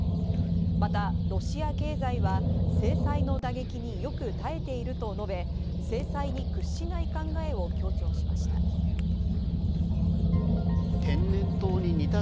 また、ロシア経済は制裁の打撃によく耐えていると述べ、制裁に屈しない考えを強調しました。